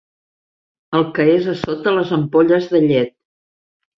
El que és a sota les ampolles de llet.